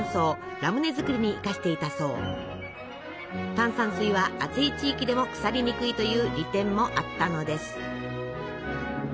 炭酸水は暑い地域でも腐りにくいという利点もあったのです。